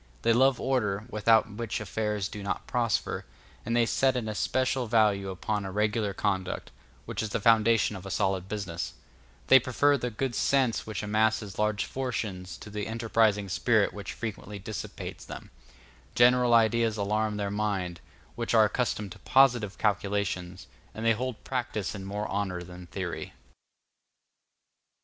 They love order, without which affairs do not prosper; and they set an especial value upon a regular conduct, which is the foundation of a solid business; they prefer the good sense which amasses large fortunes to that enterprising spirit which frequently dissipates them; general ideas alarm their minds, which are accustomed to positive calculations, and they hold practice in more honor than theory.